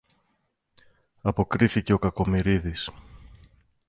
αποκρίθηκε ο Κακομοιρίδης.